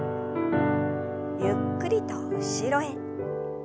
ゆっくりと後ろへ。